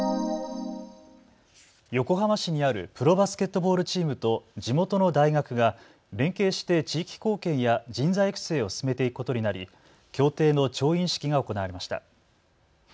横浜市にあるプロバスケットボールチームと地元の大学が連携して地域貢献や人材育成を進めていくことになり協定の調印式が行われました。